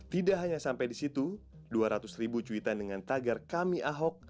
tidak hanya sampai di situ dua ratus ribu cuitan dengan tagar kami ahok